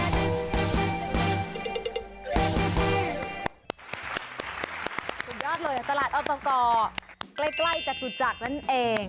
สุดยอดเลยตลาดออตกใกล้จตุจักรนั่นเอง